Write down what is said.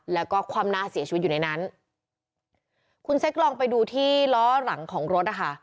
แล้วก็คว่ำหน้าเสียชีวิตอยู่ในนั้นคุณเซ็กลองไปดูที่ล้อหลังของรถนะคะ